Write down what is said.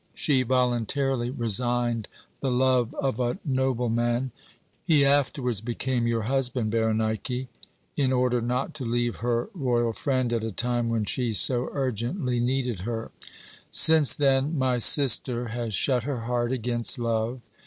She voluntarily resigned the love of a noble man he afterwards became your husband, Berenike in order not to leave her royal friend at a time when she so urgently needed her. Since then my sister has shut her heart against love.